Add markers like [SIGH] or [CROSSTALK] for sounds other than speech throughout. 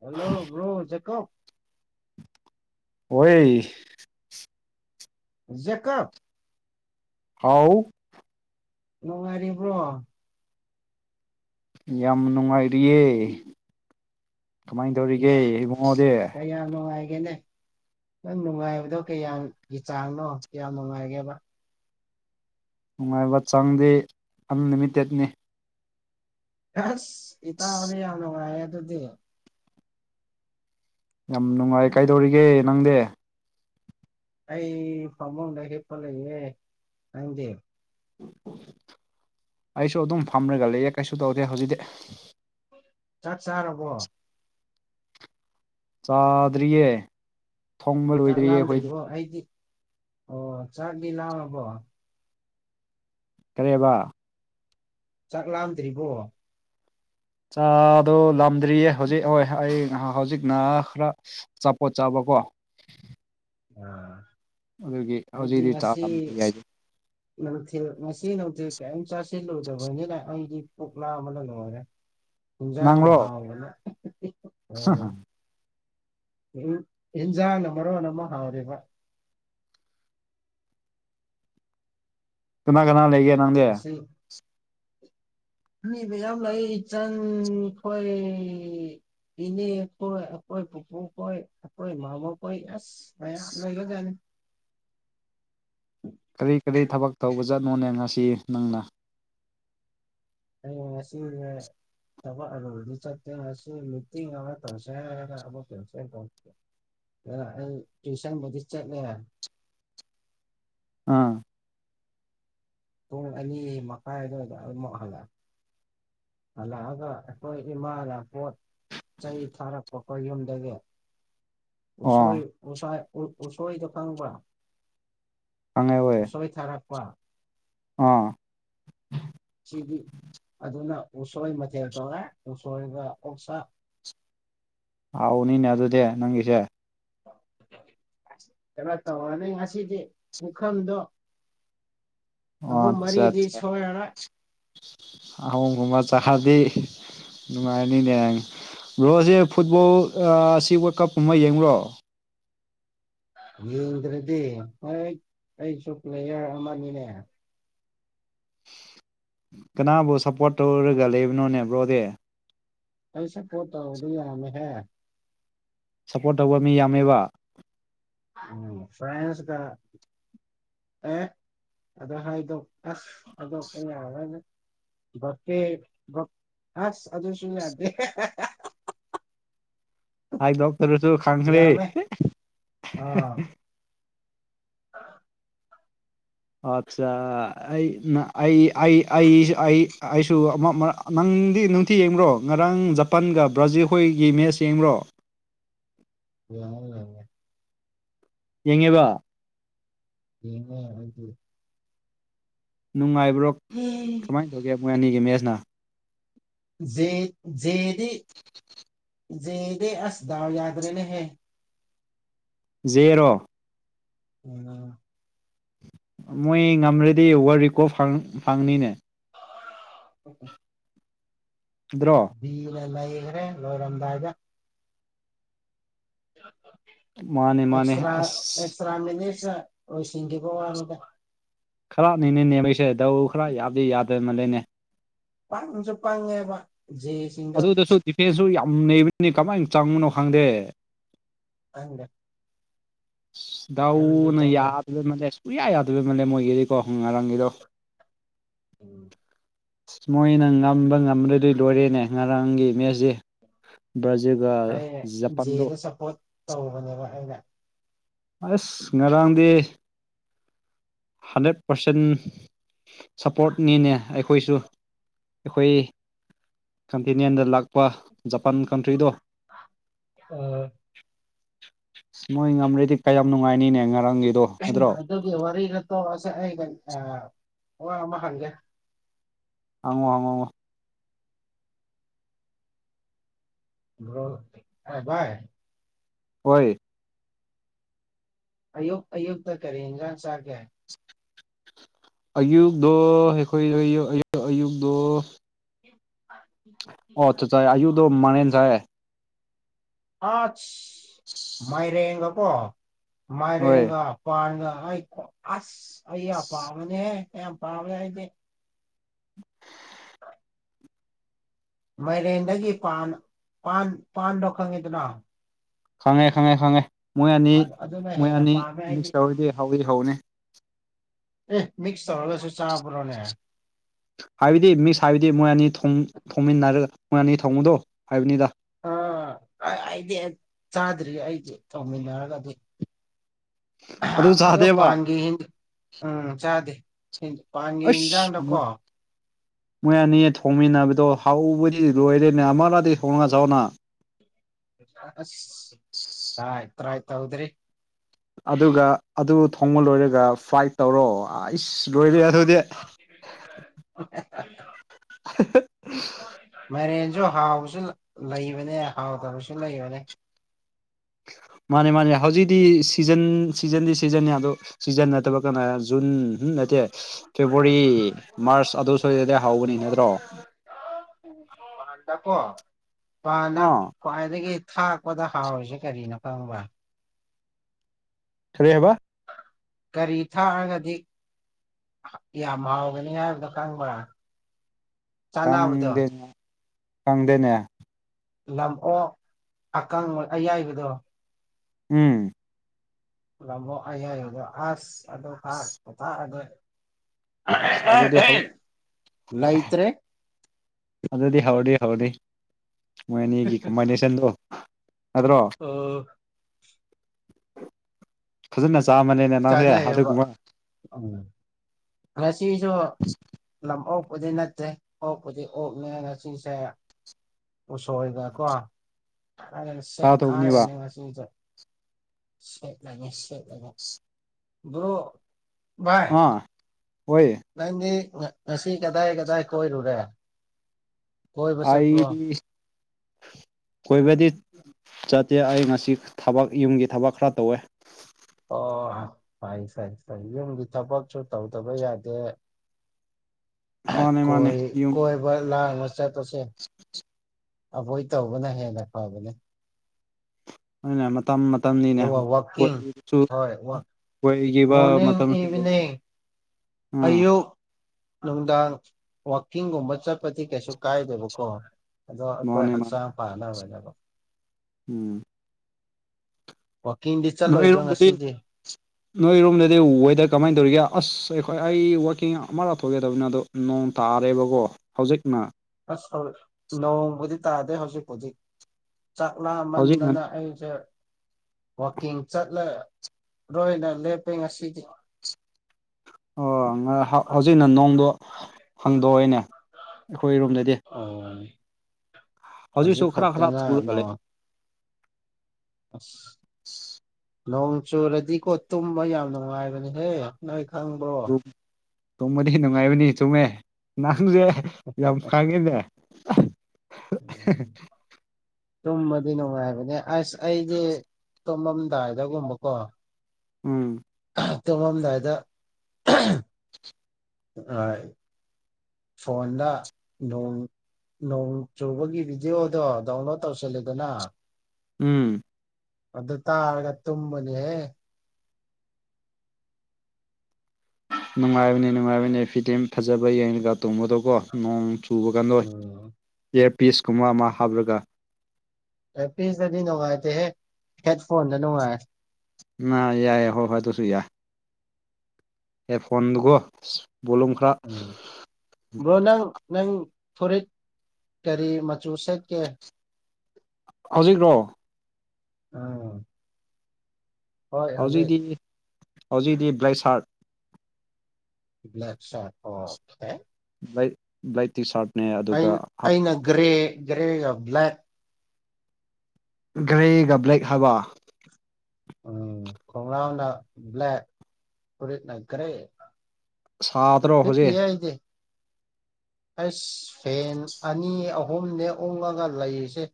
Hello bro Jacob ꯍꯣꯏ Jacob ꯍꯥꯎ ꯅꯨꯡꯉꯥꯏꯔꯤꯕ꯭ꯔꯣ ꯌꯥꯝ ꯅꯨꯡꯉꯥꯏꯔꯤꯌꯦ ꯀꯃꯥꯏ ꯇꯧꯔꯤꯒꯦ ꯏꯕꯨꯡꯉꯣꯗꯤ ꯅꯤꯅꯦ ꯅꯪ ꯅꯨꯡꯉꯥꯏꯕꯗꯣ ꯀꯌꯥꯒꯤ ꯆꯥꯡꯅꯣ ꯀꯌꯥꯝ ꯅꯨꯡꯉꯥꯏꯒꯦꯕ ꯅꯨꯡꯉꯥꯏꯕ ꯆꯥꯡꯗꯤ ꯑꯟꯂꯤꯃꯤꯇꯦꯠꯅꯦ ꯍꯁ ꯏꯇꯥꯎꯗꯤ ꯌꯥꯝ ꯅꯨꯡꯉꯥꯏꯔꯦ ꯑꯗꯨꯗꯤ ꯌꯥꯝ ꯅꯨꯡꯉꯥꯏ ꯀꯩꯗꯧꯔꯤꯒꯦ ꯅꯪꯗꯤ ꯑꯩ ꯐꯝꯃꯨꯡꯗ ꯍꯤꯞꯄ ꯂꯩꯌꯦ ꯅꯪꯗꯤ ꯑꯩꯁꯨ ꯑꯗꯨꯝ ꯐꯝꯔꯒ ꯂꯩꯌꯦ ꯀꯩꯁꯨ ꯇꯧꯗꯦ ꯍꯧꯖꯤꯛꯇꯗꯤ ꯆꯥꯛ ꯆꯥꯔꯕꯣ ꯆꯥꯗ꯭ꯔꯤꯌꯦ ꯊꯣꯡꯕ ꯆꯥꯛ ꯂꯣꯏꯗ꯭ꯔꯤꯌꯦ ꯑꯩꯈꯣꯏꯗ ꯂꯥꯝꯗ꯭ꯔꯤꯕꯣ ꯑꯩꯗꯤ ꯑꯣ ꯆꯥꯛꯕꯤ ꯂꯥꯛꯑꯕꯣ ꯇꯔꯦꯕꯥ ꯆꯥꯛꯂꯝꯥꯗ꯭ꯔꯤꯕꯣ ꯆꯥꯗꯣ ꯂꯥꯗ꯭ꯔꯤꯌꯦ ꯍꯧꯖꯤꯛ ꯍꯣꯏ ꯑꯩ ꯍꯧꯖꯤꯛꯅ ꯈꯔ ꯑꯆꯥꯄꯣꯠ ꯆꯥꯕ ꯋꯥ ꯎꯝ ꯑꯗꯨꯒꯤ ꯍꯧꯖꯤꯛꯗꯤ ꯆꯥ ꯅ ꯃꯁꯤ ꯅꯧ ꯀ ꯆꯥꯁꯤ ꯂꯗꯅꯤ ꯑꯗꯤ ꯄꯨꯣꯛꯂꯥ ꯑꯃꯅ ꯂꯣꯏꯔꯦ ꯍꯟꯖꯥꯡꯅ ꯍꯥꯎꯕꯅ ꯍ ꯍ ꯎꯝ ꯍꯟꯖꯥ ꯅꯝꯕꯔꯣ ꯅꯃ ꯍꯦꯕ ꯀꯅꯥ ꯀꯅꯥ ꯂꯩꯒꯦ ꯅꯪꯒ ꯑꯕ ꯌꯥꯝ ꯂꯥꯛꯏꯆꯪ ꯑꯩꯈꯣꯏ ꯏꯅꯦ ꯀꯣꯏ ꯑꯩꯏ ꯄꯨꯄꯨ ꯀꯣꯏ ꯑꯩꯏ ꯃꯥꯃꯕꯨ ꯀꯣꯏ ꯑꯁ ꯃꯌꯥꯝ ꯂꯒꯖꯅꯤ [INAUDIBLE] ꯀꯔꯤ ꯀꯔꯤ ꯊꯕꯛ ꯇꯧꯕ ꯆꯠꯅꯣꯅꯦ ꯉꯁꯤ ꯅꯪꯅ ꯍ ꯊ ꯑꯗꯨꯖꯤ ꯆꯇ ꯇꯧꯁ ꯀꯁ ꯇ꯭ꯌꯨꯁꯟ ꯃꯗꯨ ꯆꯠ ꯂꯩꯦ ꯑꯥ ꯇꯨꯡ ꯑꯅꯤ ꯃꯈꯥꯏꯗ ꯑꯗꯨꯝꯃꯛ ꯍꯜꯂ ꯑꯂꯑꯒ ꯑꯩꯈꯣꯏ ꯏꯃꯥꯅ ꯐꯣꯠ ꯆꯩ ꯊꯥꯔꯛꯄꯈꯣ ꯌꯨꯝꯗꯒꯤ ꯑꯣ ꯎꯁꯣꯏ ꯎꯣꯏ ꯎꯁꯣꯏ ꯇꯀꯥꯅꯕ ꯑꯁꯣꯏ ꯊꯥꯔꯛꯄ ꯑ ꯁꯤꯗꯤ ꯑꯗꯨꯅ ꯎꯁꯣꯏ ꯃꯊ ꯇ ꯎꯁꯣ ꯑꯣꯁ ꯍꯥꯎꯅꯤꯅꯦ ꯑꯗꯨꯗꯤ ꯅꯪꯒꯤꯁꯦ [INAUDIBLE] ꯊꯔ ꯇꯧꯔꯅꯦ ꯉꯁꯤꯗꯤ ꯄꯨꯡꯈꯝꯗꯣ ꯑꯣ ꯑꯠꯆꯥ ꯑꯆꯥ ꯑ ꯉꯨꯃ ꯆꯍꯕꯤ ꯅꯨꯡꯉꯥꯏꯅꯤ ꯂꯩꯒ ꯕ꯭ꯔꯣꯁꯦ ꯐꯨꯠꯕꯣꯜ ꯑꯁꯤ ꯋꯥꯔꯜ ꯀꯞ ꯑꯃ ꯌꯦꯡꯕꯨꯔꯣ ꯌꯦꯡꯗ꯭ꯔꯗꯤ ꯍꯣꯏ ꯑꯩꯁꯨ ꯄ꯭ꯂꯦꯌꯔ ꯑꯃꯅꯤꯅꯦ ꯀꯅꯥꯕꯨ ꯁꯞꯄꯣꯔꯠ ꯇꯧꯔꯒ ꯂꯩꯕꯅꯣꯅꯦꯕ꯭ꯔꯣꯗꯤ ꯑꯩꯩꯁꯦ ꯄꯣꯠꯇ ꯑꯣꯗꯤ ꯌꯥꯝꯃꯦ ꯍꯥꯏ ꯁꯞꯄꯣꯔꯠ ꯇꯧꯕ ꯃꯤ ꯌꯥꯝꯃꯦꯕ ꯎꯝ ꯐ꯭ꯔꯥꯟꯁ ꯀ ꯑꯦ ꯑ ꯍꯥꯏꯗꯣꯛ ꯑꯁ ꯍꯥꯏꯗꯣꯛꯄ ꯌꯥꯔꯅꯤ ꯀꯦ ꯑ ꯑꯗꯨꯗꯁꯨꯗꯦ ꯍꯥꯏ ꯗꯣꯛꯇꯔꯁꯨꯁꯨ ꯈꯪꯁ꯭ꯔꯦ ꯌꯥꯝꯃꯦ ꯑꯥ ꯑꯠꯆꯥ ꯑꯩ ꯑꯩ ꯑꯩꯁꯨ ꯑꯩ ꯑꯩꯁꯨ ꯑꯃ ꯅꯪ ꯪꯗꯤ ꯅꯨꯡꯊꯤ ꯌꯦꯡꯕ꯭ꯔꯣ ꯉꯔꯥꯡ ꯖꯄꯥꯟꯒ ꯕ꯭ꯔꯥꯖꯤꯜ ꯍꯣꯏꯒꯤ ꯃꯦꯠꯁ ꯌꯦꯡꯕ꯭ꯔꯣ ꯌꯥ ꯌꯥ ꯌꯦꯡꯉꯦꯕ ꯌꯦꯉ ꯑ ꯅꯨꯡꯉꯥꯏꯕ꯭ꯔꯣ ꯀꯃꯥꯏꯅ ꯇꯧꯒꯦ ꯃꯣꯏ ꯑꯅꯤꯒꯤ ꯃꯦꯁꯅ ꯦ ꯖꯦꯔꯤ ꯦꯗꯦ ꯑꯁꯗꯥꯎ ꯌꯥꯗꯔꯅ ꯍ ꯖꯦꯔꯣ ꯎꯝ ꯃꯣꯏ ꯉꯝꯂꯗꯤ ꯋꯥ ꯔꯤꯀꯣ ꯐꯪꯅꯤꯅꯦ ꯑꯣ ꯭ꯔꯣꯝ ꯉꯈꯦ ꯂꯣꯏꯔꯝꯗꯥꯗ ꯃꯥꯅꯦ ꯑꯦꯁ ꯃꯥꯅꯦ ꯔꯥ ꯑꯁ ꯑꯦꯁ ꯔꯥꯅꯤ ꯑꯣꯁꯤ ꯄꯔꯗ ꯈꯔꯅꯤꯅꯦꯅꯦꯕꯩꯁꯦꯙꯧ ꯈꯔ ꯌꯥꯗꯤ ꯌꯥꯗꯦ ꯃꯜꯂꯦꯅꯦ ꯄꯥꯡꯁꯨ ꯄꯉꯦꯕ ꯑꯗꯨꯗꯁꯨ ꯗꯤꯐꯦꯟꯁꯁꯨ ꯌꯥꯝ ꯅꯩꯕꯅꯤꯅꯤ ꯀꯃꯥꯏꯅ ꯆꯪꯕꯨꯅꯣ ꯈꯪꯗꯦ ꯑꯪꯗ ꯌꯥꯎꯅ ꯌꯥꯗ ꯃ ꯎ ꯌꯥꯏ ꯌꯥꯗꯕꯩ ꯃꯜꯂꯦ ꯃꯣꯏꯒꯤꯜꯂꯤꯀꯣ ꯉꯔꯥꯡꯒꯤꯗꯣ ꯎꯝ ꯑꯁ ꯃꯣꯏꯅ ꯉꯝꯕ ꯉꯝꯗꯣꯏꯗꯣꯏ ꯂꯣꯏꯔꯦꯅꯦ ꯉꯔꯥꯡꯒꯤ ꯃꯦꯠꯁꯁꯦ ꯕ꯭ꯔꯥꯖꯤꯜꯒ ꯑꯩ ꯖꯄꯥꯟꯗꯣ ꯖꯦꯗ ꯁꯞꯄꯣꯔꯠ ꯇꯧꯕꯅꯦꯕ ꯑꯩꯅ ꯑꯁ ꯉꯔꯥꯡꯗꯤ ꯍꯟꯗ꯭ꯔꯦꯠ ꯄꯥꯔꯁꯦꯟ ꯁꯞꯄꯣꯔꯠꯅꯤꯅꯦ ꯑꯩꯈꯣꯏꯁꯨ ꯑꯩꯈꯣꯏ ꯀꯟꯇꯤꯅꯦꯟꯗ ꯂꯥꯛꯄ ꯖꯄꯥꯟ ꯀꯟꯇ꯭ꯔꯤꯗꯣ ꯑꯁ ꯃꯣꯏ ꯉꯝꯔꯗꯤ ꯀ ꯌꯥꯝ ꯅꯨꯡꯉꯥꯏꯅꯤꯅꯦ ꯉꯔꯥꯡꯒꯤꯗꯣ ꯅꯠꯇ꯭ꯔꯣ ꯇꯧꯁꯦ ꯑꯩ ꯋꯥ ꯑꯃ ꯍꯪꯒꯦ ꯑꯃ ꯑꯃ ꯭ꯔꯣꯚꯥꯏ ꯍꯣꯏ ꯑꯌꯨꯛ ꯑꯌꯨꯛ ꯇ ꯀꯦ ꯏꯟ꯭ꯔꯥꯡ ꯆꯥ ꯀꯌꯥꯦ ꯑꯌꯨꯛꯗ ꯑꯩꯈꯣꯏ ꯑꯌꯨꯛꯗ ꯎ ꯑꯣ ꯆꯠ ꯆꯥꯏ ꯑꯌꯨꯗꯣ ꯃꯅꯦꯟ ꯁꯥꯏꯌꯦ ꯑ ꯃꯥꯏꯔꯦꯡꯒ ꯀꯣ ꯍꯣꯏ ꯃꯥꯏꯔꯦꯡꯒ ꯄꯥꯟꯒ ꯑꯩ ꯑꯁ ꯑ ꯌꯥꯝ ꯄꯥꯕꯅꯦ ꯀ ꯌꯥꯝ ꯄꯥꯕꯅꯦꯗꯤ [INAUDIBLE] ꯃꯥꯏꯔꯦꯟꯗꯒꯤ ꯄꯥꯟꯗꯣ ꯈꯪꯉꯤꯗꯅ ꯈꯪꯉꯦ ꯈꯪꯉꯦ ꯈꯪꯉꯦ ꯃꯣꯏ ꯑꯅꯤ ꯑꯗꯨꯅ ꯃꯣꯏ ꯍꯦꯟꯅ ꯑꯅꯤ ꯄꯥꯝꯃꯦ ꯑꯩꯗꯤ ꯃꯤꯛꯁ ꯇꯧꯔꯗꯤ ꯍꯧꯤ ꯍꯧꯅꯤ ꯑꯦ ꯃꯤꯛꯁ ꯇꯧꯔꯒꯁꯨ ꯆꯥ ꯄꯨꯔꯣꯅꯦ ꯍꯥꯏꯕꯗꯤ ꯃꯤꯛꯁ ꯍꯥꯏꯕꯗꯤ ꯃꯣꯏ ꯑꯅꯤ ꯊꯣꯡꯃꯤꯟꯅꯔꯒ ꯃꯣꯏ ꯑꯅꯤ ꯊꯣꯡꯉꯨꯗꯣ ꯍꯥꯏꯕꯅꯤꯗ ꯑꯥ ꯑꯩꯗꯤ ꯆꯥꯗ꯭ꯔꯤ ꯑꯩꯗꯤ ꯇꯧꯃꯤꯟꯅꯔꯒ ꯑꯗꯨ ꯑꯗꯨ ꯑꯗꯣ ꯆꯥꯗꯦꯕ ꯄꯥꯟꯒꯦ ꯎꯝ ꯆꯥꯗꯦ ꯄꯥꯡꯒꯤ ꯑꯁ ꯃꯣꯏ ꯌꯦꯟꯖꯥꯡꯗꯀꯣ ꯃꯣꯏ ꯑꯅꯤ ꯊꯣꯡꯃꯤꯟꯅꯕꯗꯣ ꯍꯥꯎꯧꯕꯗꯤ ꯂꯣꯏꯔꯦꯅꯦ ꯑꯃ ꯂꯗꯤ ꯍꯣꯡꯅ ꯁꯥꯎꯅ ꯑꯁ ꯑ ꯏ ꯇ꯭ꯔ ꯍꯥꯏꯥꯏꯇ ꯍꯗ꯭ꯔꯤ ꯑꯗꯨꯒꯥ ꯑꯗꯨ ꯊꯣꯡꯕ ꯂꯣꯏꯔꯒꯥ ꯐ꯭ꯔꯥꯏ ꯇꯧꯔꯛꯑꯣ [INAUDIBLE] ꯃ ꯑꯗꯨ ꯍꯥꯎꯁꯨ ꯂꯩꯕꯅꯦ ꯍꯥꯎꯗꯕꯁꯨ ꯂꯩꯕꯅꯦ ꯃꯥꯅꯦ ꯃꯥꯅꯦ ꯍꯧꯖꯤꯛꯇꯤ ꯁꯤꯖꯟ ꯁꯤꯖꯟꯗꯤ ꯁꯤꯖꯟꯅꯅꯤ ꯑꯗꯣ ꯁꯤꯖꯟ ꯅꯠꯇꯕ ꯀꯩꯅꯣ ꯖꯨꯟ ꯅꯠꯇꯦ ꯐꯦꯕꯋꯥꯔꯤ ꯃꯥꯔꯆ ꯑꯗꯨ ꯁ꯭ꯋꯥꯗꯗꯤ ꯍꯧꯕꯅꯤ ꯗ꯭ꯔꯣ ꯄꯥꯟꯗ ꯄꯣ ꯄꯥꯟꯗꯥ ꯑꯥ ꯀꯗꯒꯤ ꯊꯥꯛꯄꯗ ꯍꯥꯎꯔꯤꯁꯦ ꯀꯔꯤꯅꯣ ꯈꯪꯕ ꯈꯔꯤ ꯍꯥꯏꯕ ꯀꯔꯤ ꯊꯥꯔꯒꯗꯤꯅ꯫ ꯏꯒꯅꯤ ꯍꯥꯏ ꯗꯀꯥꯟ [UNINTELLIGIBLE] ꯈꯪꯗꯅ ꯈꯪꯗꯦꯅꯦ ꯂꯥꯛꯑꯣ ꯑꯀꯪ ꯑꯌꯥꯏꯕꯗꯣ ꯎꯝ ꯂꯃꯣ ꯑꯩꯏꯗꯣ ꯑꯁ ꯑꯗꯨ ꯈꯥꯛꯣꯊꯥ ꯑꯗ ꯑꯗꯨ ꯑꯗꯨꯗꯤ ꯍꯥꯏ ꯂꯩꯇ꯭ꯔꯦ ꯑꯗꯨꯗꯤ ꯍꯧꯔꯗꯤ ꯍꯧꯔꯅꯤ ꯃꯣꯏ ꯑꯅꯤꯒꯤ ꯀꯝꯕꯥꯏꯅꯦꯁꯟꯗꯣ ꯑꯣ ꯍꯖ ꯆꯥ ꯃꯅꯤ ꯅꯅꯥꯈꯦ ꯍꯥꯏꯗ ꯆꯥꯅꯩꯌꯦꯕ ꯀꯨꯝꯃ ꯎꯝ ꯉꯁꯤꯁꯨ ꯂꯥꯛꯑꯣ ꯀꯗꯤ ꯅꯠꯇꯦ ꯑꯣꯛꯄꯨꯗꯤ ꯑꯣꯛꯅꯦꯅ ꯁꯤꯁꯦ ꯎꯁꯣꯏꯗ ꯀꯣꯥꯏꯔꯦꯅꯦ ꯆꯥꯗꯧꯕꯅꯦꯕ ꯁꯈꯥꯏꯔꯦꯅꯦ ꯉꯁꯤꯁꯦ ꯆꯠ ꯂꯩꯦ ꯆꯠ ꯂꯩꯒꯦ ꯑꯗꯨꯣꯚꯥꯏ ꯑꯥ ꯍꯣꯏ ꯅꯪꯗꯤ ꯉꯁꯤ ꯀꯗꯥꯏ ꯀꯗꯥꯏ ꯀꯣꯏꯔꯨꯔꯦ ꯀꯣꯏꯕꯁꯠꯇ ꯋꯥ ꯑꯩꯗꯤ ꯀꯣꯏꯕꯗꯤ ꯆꯠꯇꯦ ꯑꯩ ꯉꯁꯤ ꯊꯕꯛ ꯌꯨꯝꯒꯤ ꯊꯕꯛ ꯈꯔ ꯇꯧꯋꯦ ꯑꯣ ꯐꯩ ꯐꯩ ꯐꯩ ꯌꯨꯝꯒꯤ ꯊꯕꯛꯁꯨ ꯇꯧꯗꯕ ꯌꯥꯗꯦ ꯃꯥꯅꯦ ꯃꯥꯅꯦ ꯌꯨꯝ ꯀꯣꯏꯕ ꯂꯥ ꯃꯁꯖꯥ ꯇꯁ ꯑꯕꯣꯏ ꯇꯧꯕꯅ ꯍꯦꯟꯅ ꯐꯕꯇꯅꯦ ꯑꯗꯨꯅ ꯃꯇꯝ ꯑꯗꯨꯒ ꯃꯇꯝꯅꯤꯅꯦꯣꯏ ꯋꯥꯛꯀꯤꯡ ꯍꯣꯏ ꯋꯥꯛ ꯑꯣꯏꯈꯤꯕ ꯃꯇꯝꯁꯨ ꯂꯩ ꯎꯝ ꯑꯌꯣ ꯅꯨꯡꯗꯥꯡ ꯋꯥꯋꯥꯛꯀꯤꯡꯒꯨꯝꯕ ꯆꯠꯄꯗꯤ ꯀꯩꯁꯨ ꯀꯥꯏꯗꯦꯕꯀꯣ ꯑꯗꯣ ꯑꯩꯈꯣꯏ ꯍꯛꯆꯥꯡ ꯐꯥꯅꯕꯅꯦ ꯎꯝꯃ ꯗꯤ ꯆꯠꯂꯣꯏꯗ꯭ꯔꯣ ꯅꯣꯏꯔꯣꯝꯗꯗꯤ ꯉꯁꯤꯗꯤ ꯅꯣꯏꯔꯣꯝꯗꯗꯤ ꯋꯦꯗꯔ ꯀꯃꯥꯏꯅ ꯇꯧꯔꯤꯒꯦ ꯑꯁ ꯑꯩꯈꯣꯏ ꯑꯩ ꯋꯥꯛꯀꯤꯡ ꯑꯃ ꯂꯥꯞꯊꯣꯛꯒꯦꯗꯕꯅꯤ ꯑꯗꯣ ꯅꯣꯡ ꯇꯥꯔꯦꯕꯀꯣ ꯍꯧꯖꯤꯛꯅ ꯅꯣꯡꯗꯤ ꯇꯥꯗꯦ ꯍꯧꯖꯤꯛ ꯍꯧꯖꯤꯛ ꯆꯥꯛ ꯍꯧꯖꯤꯛꯅ ꯂꯥꯃꯟꯗꯅ ꯑꯩꯁꯦ ꯋꯥꯋꯀꯤꯡ ꯆꯠꯂꯔꯣꯏꯅ ꯂꯦꯞꯄꯦ ꯉꯁꯤꯗꯤ ꯑꯣ ꯍꯧꯖꯤꯛꯅ ꯅꯣꯡꯗꯣ ꯍꯪꯗꯣꯛꯏꯅꯦ ꯑꯩꯈꯣꯏꯔꯣꯝꯗꯗꯤ ꯑꯣ ꯍꯧꯖꯤꯛꯁꯨ ꯍꯧꯖꯤꯛ ꯈꯔꯥ ꯈꯛꯇꯅ ꯈꯔꯥꯁ꯭ꯀꯜꯦ ꯑꯥꯁ ꯅꯣꯡ ꯆꯨꯔꯗꯤꯀꯣ ꯇꯨꯝꯕ ꯌꯥꯝ ꯅꯨꯡꯉꯥꯏꯕꯅꯦꯍꯦ ꯅꯣꯏ ꯈꯪꯕ꯭ꯔꯣ ꯇꯨꯝꯕꯗꯤ ꯅꯨꯡꯉꯥꯏꯕꯅꯤ ꯆꯨꯝꯃꯦꯦ ꯅꯍꯪꯁꯦ ꯌꯥꯝ ꯈꯥꯡꯉꯦꯅꯦ ꯑꯍꯥꯍꯥꯍꯥꯒ [INAUDIBLE] ꯇꯨꯝꯃꯗꯤ ꯅꯨꯡꯉꯥꯏꯕꯅꯦ ꯑꯁ ꯑꯩꯗꯤ ꯇꯣꯃꯝꯗꯥꯏꯗꯒꯨꯝꯕꯀꯣ ꯎꯝ ꯇꯣꯡꯃꯝꯗꯥꯏꯗ ꯑ ꯐꯣꯟꯗ ꯅꯣꯡ ꯅꯣꯡ ꯆꯨꯕꯒꯤ ꯚꯤꯗꯤꯑꯣꯗꯣ ꯗꯥꯎꯟꯂꯣꯗ ꯇꯧꯁꯜꯂꯦꯗꯅ ꯎꯝ ꯑꯗꯨ ꯑꯗꯨ ꯇ ꯍꯥꯏꯒ ꯇꯨꯨꯝ ꯃꯅꯤ ꯅꯨꯡꯉꯥꯏꯕꯅꯦ ꯅꯨꯡꯉꯥꯏꯕꯅꯦ ꯐꯤꯗꯤꯝ ꯐꯖꯕ ꯌꯦꯡꯉꯒ ꯇꯣꯡꯕꯗꯣꯀꯣ ꯅꯣꯡ ꯇꯨꯕ ꯀꯥꯟꯗꯣꯏ ꯎꯝ ꯑꯦꯌꯥꯔ ꯄꯤꯁꯀꯨꯝꯕ ꯑꯃ ꯍꯥꯞꯂꯒ ꯑꯦ ꯄꯤꯁꯇꯗꯤ ꯅꯨꯡꯉꯥꯏꯇꯦꯍꯦ ꯍꯦꯠ ꯐꯣꯟꯗ ꯅꯨꯡꯉꯥꯏꯔ ꯅ ꯌꯥꯏ ꯍꯣꯐꯣꯏ ꯇꯁꯨ ꯌꯥ ꯑꯦ ꯐꯣꯟꯣꯟꯗꯨꯒꯣ ꯎꯝ ꯕ꯭ꯔꯣꯅꯪ ꯅꯪ ꯐꯨꯔꯤꯠ ꯀꯔꯤ ꯃꯆꯨ ꯁꯦꯠ [INAUDIBLE] ꯑꯥ ꯍꯣꯏ ꯍꯧꯖꯤꯛ ꯍꯧꯖꯤꯛꯗꯤ ꯕ꯭ꯂꯦꯁꯥꯔꯠ ꯕ꯭ꯂꯦꯛ ꯁꯣꯠ ꯑꯣ ꯕ꯭ꯂ ꯕ꯭ꯂꯥꯏꯠ ꯇꯤ ꯁꯔꯠ ꯑꯩꯅ ꯒ꯭ꯔꯦ ꯒ꯭ꯔꯦꯒ ꯕ꯭ꯂꯦꯛ ꯒ꯭ꯔꯦꯒ ꯕ꯭ꯂꯦꯛ ꯍꯥꯕ ꯎꯝꯅ ꯕ꯭ꯂꯅ ꯀ꯭ꯔꯦ ꯁꯥꯗ꯭ꯔꯣ ꯍꯧꯖꯤ [INAUDIBLE] ꯑꯩꯁ ꯐꯦꯟ ꯑꯅꯤ ꯑꯍꯨꯝꯅꯦ ꯑꯣꯉꯒ ꯂꯩꯔꯤꯁꯦ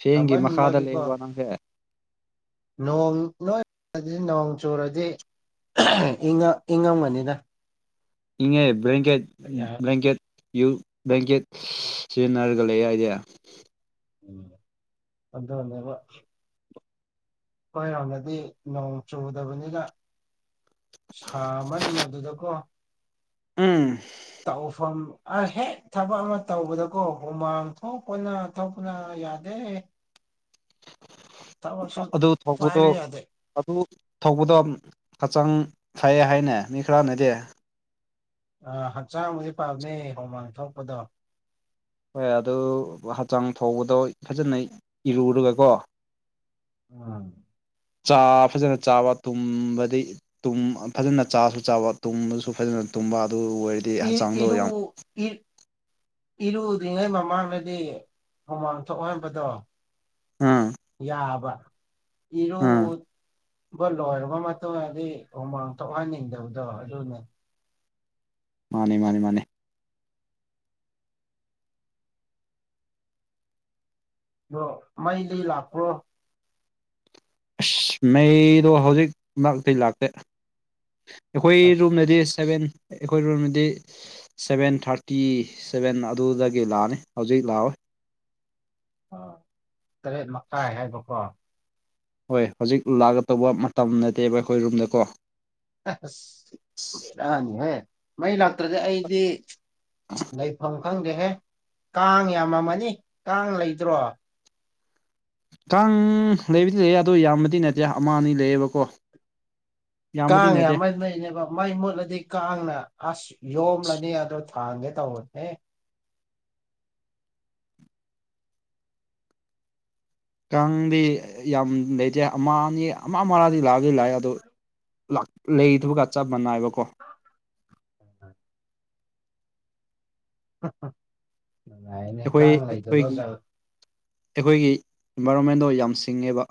ꯆꯦꯡꯒꯤ ꯃꯈꯥꯗ ꯁꯥꯃꯟꯕꯒꯤꯀꯣ ꯂꯩꯕ ꯅꯪꯍꯦ ꯅꯣꯡ ꯅꯣꯏꯗꯤ ꯅꯣꯡ ꯆꯨꯨꯔꯗꯤ ꯏ ꯏꯉꯥꯎꯕꯗ ꯑꯦꯅꯒꯦ ꯕꯂꯀꯦꯠ ꯕꯂꯀꯦꯠ ꯌꯨ ꯕ꯭ꯂꯦꯡꯀꯦꯠ ꯁꯤꯖꯤꯟꯅꯔꯒ ꯂꯩꯏꯗꯤ ꯎꯝ ꯑꯗꯅꯤꯕ ꯑꯩꯏꯔꯥꯎꯅꯗꯤ ꯅꯣꯡ ꯆꯨꯗꯕꯅꯤꯅ ꯍ ꯃꯟ ꯃ ꯑꯗꯨꯗ ꯀꯣ ꯎꯝ ꯇꯧꯐꯝ ꯑ ꯍꯦꯛ ꯊꯕꯛ ꯑꯃ ꯇꯧꯕꯗꯀꯣ ꯍꯨꯃꯥꯡ ꯊꯣꯛꯄꯅ ꯊꯣꯛꯄꯅ ꯌꯥꯗꯦ ꯊꯕꯛꯁꯨ ꯑꯗꯨ ꯊꯧꯕꯗꯣ ꯄꯥꯏꯕ ꯌꯥꯗꯦ ꯑꯗꯨ ꯊꯧꯕꯗꯣ ꯍꯛꯆꯥꯡ ꯐꯥꯏꯌꯦ ꯍꯥꯏꯅ ꯃꯤ ꯈꯔꯅꯗꯦ ꯑ ꯍꯛꯆꯥꯡꯕꯨꯗꯤ ꯄꯥꯝꯅꯦ ꯍꯣꯡꯃꯥꯡ ꯊꯣꯛꯄꯗꯣ ꯍꯣꯏ ꯑꯗꯨ ꯍꯛꯆꯥꯡ ꯐꯕꯗꯣ ꯐꯖꯅ ꯏꯔꯨꯔꯒꯀꯣ ꯎꯝ ꯆꯥ ꯐꯖꯅ ꯆꯥꯕ ꯇꯨꯝꯕꯗꯤ ꯐꯖꯅ ꯆꯥꯁꯨ ꯆꯥꯕ ꯇꯨꯝꯕꯁꯨ ꯐꯖꯅ ꯇꯨꯝꯕ ꯑꯗꯨ ꯑꯣꯏꯔꯗꯤ ꯏ ꯍꯛꯆꯥꯡꯗꯣ ꯏꯔꯨ ꯌꯥꯝ ꯏ ꯏꯔꯨꯗ꯭ꯔꯤꯉꯩ ꯃꯃꯥꯡꯗꯗꯤ ꯍꯨꯃꯥꯡ ꯊꯣꯛꯍꯟꯕꯗꯣ ꯑꯥ ꯌꯥꯕ ꯏꯔꯨ ꯑꯥ ꯕ ꯂꯣꯏꯔꯕ ꯃꯇꯨꯡꯗꯤ ꯍꯨꯃꯥꯡ ꯊꯣꯛꯍꯟꯅꯤꯡꯗꯕꯗꯣ ꯑꯗꯨꯅꯦ ꯃꯥꯅꯦ ꯃꯥꯅꯦ ꯃꯥꯅꯦ ꯑꯗꯣ ꯃꯩꯗꯒꯤ ꯂꯥꯛꯄ꯭ꯔꯣ ꯑꯁ ꯃꯩꯗꯣ ꯍꯧꯖꯤꯛ ꯂ ꯀ ꯂꯥꯛꯇꯦ ꯑꯩꯈꯣꯏ ꯑꯁ ꯔꯨꯝꯗꯗꯤ ꯁꯚꯦꯟ ꯑꯩꯈꯣꯏ ꯔꯨꯜꯗꯤ ꯁꯚꯦꯟ ꯊꯥꯔꯇꯤ ꯁꯚꯦꯟ ꯑꯗꯨꯗꯒꯤ ꯂꯥꯛꯑꯅꯤ ꯍꯧꯖꯤꯛ ꯂꯥꯛꯑꯣꯏ ꯑꯣ ꯇꯔꯦꯠ ꯃꯈꯥꯏ ꯍꯥꯏꯕꯀꯣ ꯍꯣꯏ ꯍꯧꯖꯤꯛ ꯂꯥꯛꯒ ꯇꯧꯕ ꯃꯇꯝ ꯅꯠꯇꯦꯕ ꯑꯩꯈꯣꯏ ꯔꯨꯝꯗꯀꯣ ꯑꯁ ꯏꯔꯛꯅꯤꯍ ꯃꯩ ꯂꯥꯛꯇ꯭ꯔꯗꯤ ꯑꯩꯗꯤ ꯂꯩꯐꯝ ꯈꯪꯗꯦꯍꯦ ꯀꯥꯡ ꯌꯥꯝꯃꯝꯃꯅꯤ ꯀꯥꯡ ꯂꯩꯇ꯭ꯔꯣ ꯀꯥꯡ ꯂꯩꯕꯨꯗꯤ ꯂꯩꯌꯦ ꯑꯗꯨꯗ ꯌꯥꯝꯕꯗꯤ ꯅꯠꯇꯦ ꯑꯃ ꯑꯅꯤ ꯂꯩꯌꯦꯕꯀꯣ ꯌꯥꯝꯕꯗꯤ ꯀꯥꯡꯉꯦ ꯅꯠꯇꯦ ꯃꯥꯏ ꯂꯩꯩꯅꯦꯕ ꯃꯥꯏ ꯃꯨꯠꯂꯗꯤ ꯀꯥꯡꯅ ꯑꯁ ꯌꯣꯝꯂꯅꯤ ꯑꯗꯣ ꯊꯥꯡꯒꯦ ꯇꯧꯋꯦꯍꯦ ꯀꯥꯡꯗꯤ ꯌꯥꯝ ꯂꯩꯇꯦ ꯑꯃ ꯑꯅꯤ ꯑꯃ ꯃꯥꯗꯤ ꯂꯥꯛꯑꯗꯤ ꯂꯥꯛꯑꯦ ꯑꯗꯣ ꯂꯩꯗꯨꯕꯒ ꯆꯞ ꯃꯥꯅꯥꯏꯕꯀꯣ ꯉꯥꯏꯅꯦ ꯑꯩꯈꯣꯏ ꯀꯥꯡ ꯑꯩꯈꯣꯏꯒꯤ ꯂꯩꯇꯕꯒ ꯑꯩꯈꯣꯏꯒꯤ ꯏꯟꯚꯥꯏꯔꯣꯟꯃꯦꯟꯗꯣ ꯌꯥꯝ ꯁꯤꯡꯉꯦꯕ